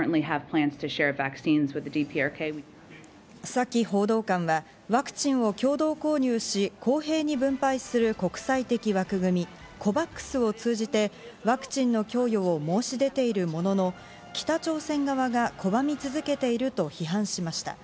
サキ報道官はワクチンを共同購入し、公平に分配する国際的枠組みＣＯＶＡＸを通じて、ワクチンの供与を申し出ているものの、北朝鮮側が拒み続けていると批判しました。